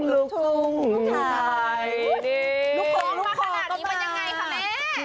ลุกทุ่งมาขนาดนี้มันยังไงค่ะแม่